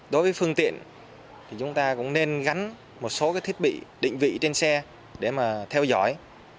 đối với phương tiện thì chúng ta cũng nên gắn một số thiết bị định vị trên xe để mà theo dõi